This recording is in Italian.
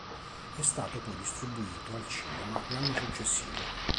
È stato poi distribuito al cinema l'anno successivo.